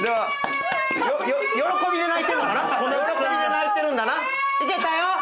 喜びで泣いてるんだな行けたよ！